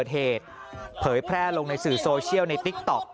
เหมือนกับพ่ออัลบิต